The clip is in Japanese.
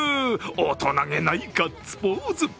大人げないガッツポーズ。